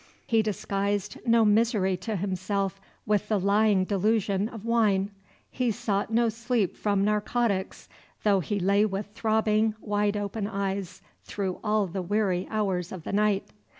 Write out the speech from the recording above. He disguised no misery to himself with the lying delusion of wine. He sought no sleep from narcotics, though he lay with throbbing, wide open eyes through all the weary hours of the night.